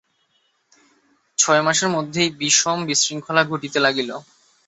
ছয় মাসের মধ্যেই বিষম বিশৃঙ্খলা ঘটিতে লাগিল।